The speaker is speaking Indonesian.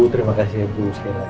terima kasih bu